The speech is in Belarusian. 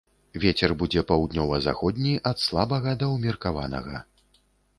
Вецер будзе паўднёва-заходні, ад слабага да ўмеркаванага.